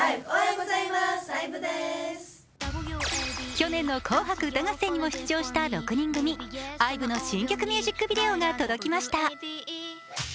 去年の「紅白歌合戦」にも出場した６人組、ＩＶＥの新曲ミュージックビデオが届きました。